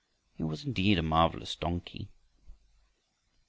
He was indeed a marvelous donkey!